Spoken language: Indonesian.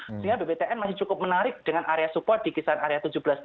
sehingga bptn masih cukup menarik dengan area support di kisaran area tujuh belas tiga puluh